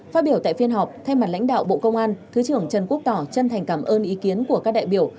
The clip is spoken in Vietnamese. phát biểu tại phiên họp thay mặt lãnh đạo bộ công an thứ trưởng trần quốc tỏ chân thành cảm ơn ý kiến của các đại biểu